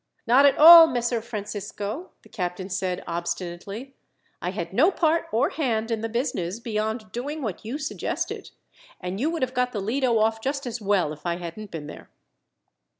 "Not at all, Messer Francisco," the captain said obstinately. "I had no part or hand in the business, beyond doing what you suggested, and you would have got the Lido off just as well if I hadn't been there."